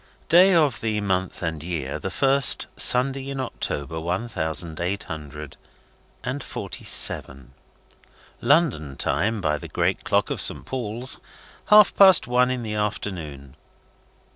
Day of the month and year, the first Sunday in October, one thousand eight hundred and forty seven. London Time by the great clock of Saint Paul's, half past one in the afternoon.